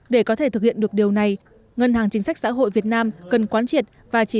để có thể thực hiện được điều này ngân hàng chính sách xã hội việt nam cần quán triệt và chỉ